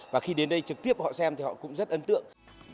và khi đến đây trực tiếp họ xem thì họ cũng rất ấn tượng